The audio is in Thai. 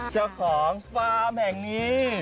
เจ้าของฟาร์มแห่งนี้